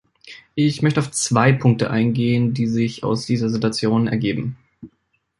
Ich möchte auf zwei Punkte eingehen, die sich aus dieser Situation ergeben.